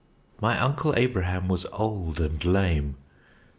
My Uncle Abraham was old and lame.